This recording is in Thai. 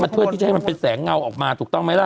เพื่อที่จะให้มันเป็นแสงเงาออกมาถูกต้องไหมล่ะ